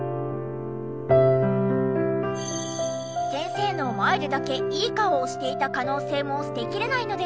先生の前でだけいい顔をしていた可能性も捨てきれないので。